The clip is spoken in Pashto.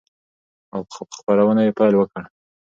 او په خپرونو يې پيل وكړ،